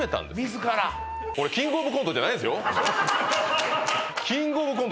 自らこれ「キングオブコント」じゃないですよ